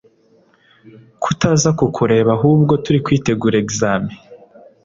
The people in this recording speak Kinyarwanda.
kutaza kukureba ahubwo turi kwitegura exame